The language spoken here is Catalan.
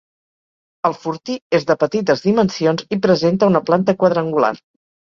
El fortí és de petites dimensions i presenta una planta quadrangular.